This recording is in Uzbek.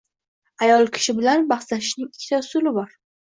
Ayol kishi bilan bahslashishning ikkita usuli bor